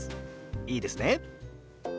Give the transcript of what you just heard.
いいですね？